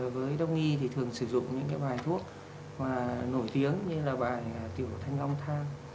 với đông y thì thường sử dụng những cái bài thuốc nổi tiếng như là bài tiểu thanh long thang